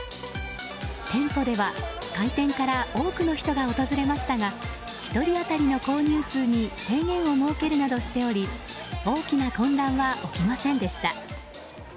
店舗では、開店から多くの人が訪れましたが１人当たりの購入数に制限を設けるなどしており大きな混乱は起きませんでした。